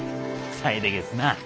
さいでげすな。